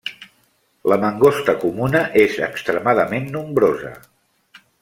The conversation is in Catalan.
La mangosta comuna és extremadament nombrosa.